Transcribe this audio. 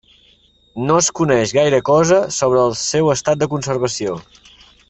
No es coneix gaire cosa sobre el seu estat de conservació.